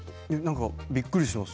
びっくりしています。